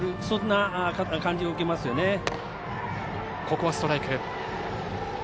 そんな感じを受けますよね。